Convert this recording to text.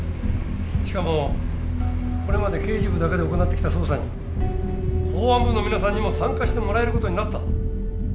しかもこれまで刑事部だけで行ってきた捜査に公安部の皆さんにも参加してもらえる事になった。